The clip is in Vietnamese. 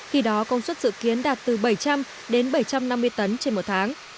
khi đó công suất dự kiến đạt từ bảy trăm linh đến bảy trăm năm mươi tấn trên một tháng